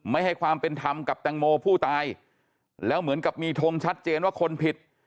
ไม่ให้ความเป็นธรรมกับแตงโมผู้ตายแล้วเหมือนกับมีทงชัดเจนว่าคนผิด